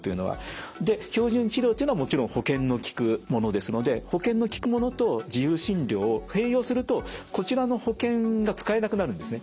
標準治療というのはもちろん保険のきくものですので保険のきくものと自由診療を併用するとこちらの保険が使えなくなるんですね。